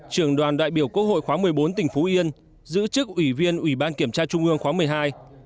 trường đoàn đại biểu quốc hội khóa một mươi bốn tỉnh phú yên giữ chức ủy viên ủy ban kiểm tra trung ương khóa một mươi hai